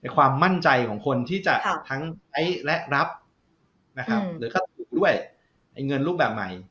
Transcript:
ความมั่นใจของคนที่จะทั้งใช้และรับหรือเข้าไปด้วยเงินรูปแบบใหม่